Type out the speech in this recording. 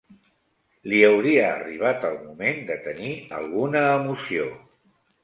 Li hauria arribat el moment de tenir alguna emoció